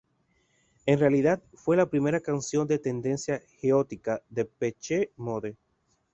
En realidad fue la primera canción de tendencia gótica de Depeche Mode.